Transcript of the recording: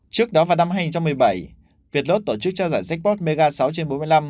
trước đó vào năm hai nghìn một mươi bảy vietlote tổ chức trao giải jackpot mega sáu trên bốn mươi năm